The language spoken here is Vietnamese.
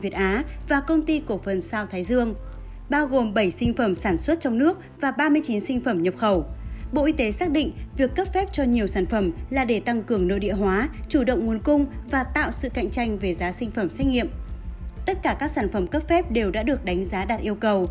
tất cả các sản phẩm cấp phép đều đã được đánh giá đạt yêu cầu